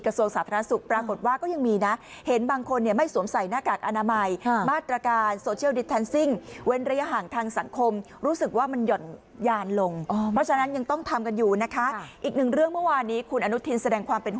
กระทรวงชาธารณสุขปรากฏว่าก็ยังมีนะ